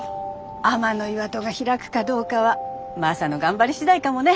天岩戸が開くかどうかはマサの頑張りしだいかもね。